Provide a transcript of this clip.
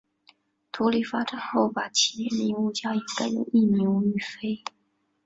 独立发展后把其原名吴家颖改用艺名吴雨霏。